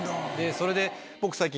それで僕最近。